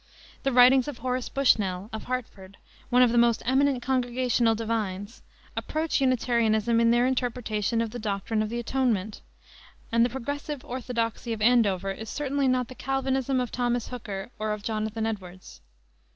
The writings of Horace Bushnell, of Hartford, one of the most eminent Congregational divines, approach Unitarianism in their interpretation of the doctrine of the Atonement; and the "progressive orthodoxy" of Andover is certainly not the Calvinism of Thomas Hooker or of Jonathan Edwards.